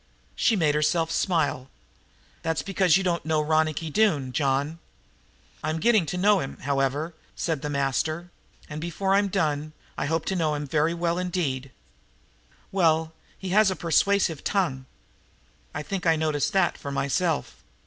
She made herself laugh. "That's because you don't know Ronicky Doone, John." "I'm getting to know him, however," said the master. "And, before I'm done, I hope to know him very well indeed." "Well, he has a persuasive tongue." "I think I noticed that for myself."